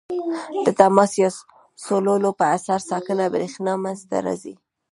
د تماس یا سولولو په اثر ساکنه برېښنا منځ ته راځي.